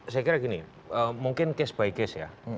saya kira gini mungkin case by case ya